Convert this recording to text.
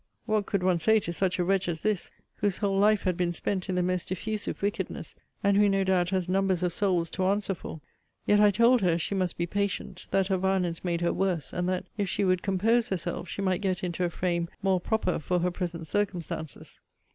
What could one say to such a wretch as this, whose whole life had been spent in the most diffusive wickedness, and who no doubt has numbers of souls to answer for? Yet I told her, she must be patient: that her violence made her worse: and that, if she would compose herself, she might get into a frame more proper for her present circumstances.